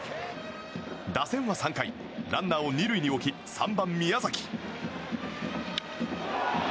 打線は３回ランナーを２塁に置き３番、宮崎。